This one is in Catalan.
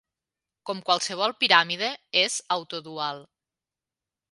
Com qualsevol piràmide, és autodual.